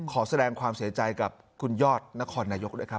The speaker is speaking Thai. ขอแสดงความเสียใจกับคุณยอดนครนายกด้วยครับ